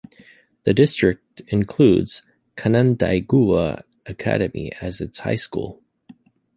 The district includes Canandaigua Academy as its high school.